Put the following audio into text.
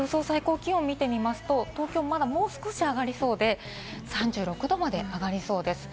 最高気温を見てみますと、東京はまだ、もう少し上がりそうで、３６度まで上がりそうです。